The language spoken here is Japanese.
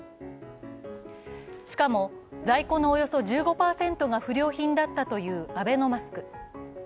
しかも、在庫のおよそ１５％が不良品だったというアベノマスク。